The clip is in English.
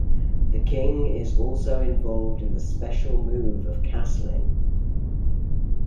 The king is also involved in the special move of castling.